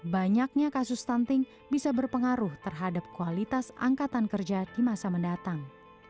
banyaknya kasus stunting bisa berpengaruh terhadap kualitas angkatan kerja di masa mendatang